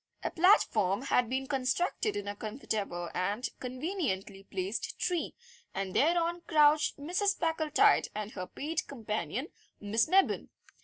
A platform had been constructed in a comfortable and conveniently placed tree, and thereon crouched Mrs. Packletide and her paid companion, Miss Mebbin.